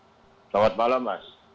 selamat malam mas